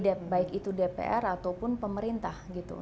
baik itu dpr ataupun pemerintah gitu